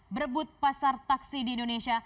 berebut pasar taksi di indonesia